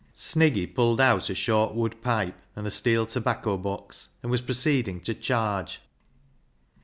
Sniggy pulled out a short wood pipe and a steel tobacco box, and was proceeding to charge.